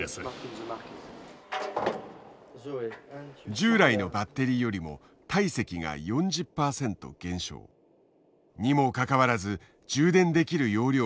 従来のバッテリーよりも体積が４０％減少。にもかかわらず充電できる容量は車１台当たり１５％増えた。